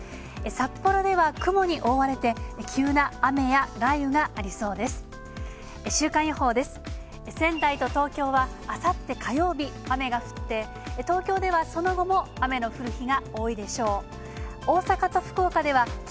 札幌では雲に覆われて、急な雨や雷雨がありそうです。